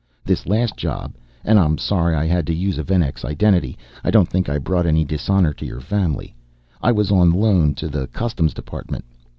"This last job and I'm sorry I had to use a Venex identity, I don't think I brought any dishonor to your family I was on loan to the Customs department.